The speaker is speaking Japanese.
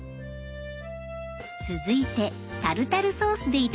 続いてタルタルソースでいただきます。